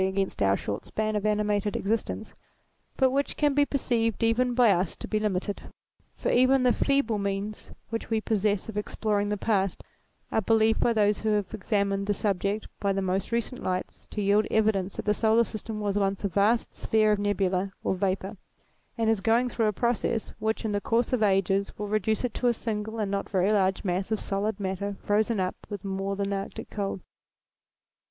ATTRIBUTES 189 against our short span of animated existence, but which can be perceived even by us to be limited : for even the feeble means which we possess of exploring the past, are believed by those who have examined the subject by the most recent lights, to yield evidence that the solar system was once a vast sphere of nebula or vapour, and is going through a process which in the course of ages will reduce it to a single and not very large mass of solid matter frozen up with more than arctic cold.